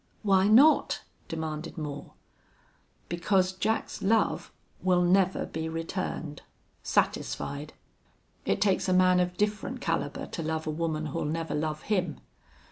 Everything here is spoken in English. "Why not?" demanded Moore. "Because Jack's love will never be returned satisfied. It takes a man of different caliber to love a woman who'll never love him.